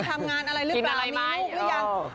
ทำงานอะไรหรือเปล่ามีลูกหรือยัง